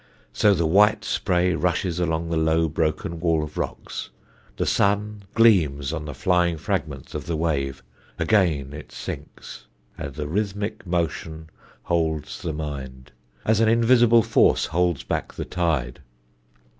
"So the white spray rushes along the low broken wall of rocks, the sun gleams on the flying fragments of the wave, again it sinks, and the rhythmic motion holds the mind, as an invisible force holds back the tide.